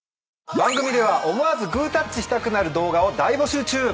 番組では思わずグータッチしたくなる動画を大募集中。